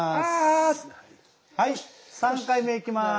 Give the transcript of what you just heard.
はい３回目いきます。